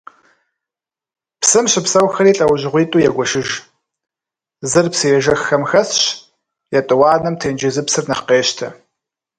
Псым щыпсэухэри лӏэужьыгъуитӏу егуэшыж: зыр псыежэххэм хэсщ, етӏуанэм тенджызыпсыр нэхъ къещтэ.